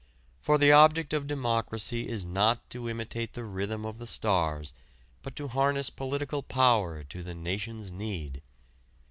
For the object of democracy is not to imitate the rhythm of the stars but to harness political power to the nation's need.